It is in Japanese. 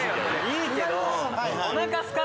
いいけど。